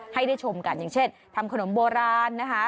ให้ได้ชมกันอย่างเช่นทำขนมโบราณนะคะ